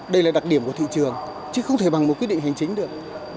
đây là đặc điểm của thị trường chứ không thể bằng một quyết định hành chính được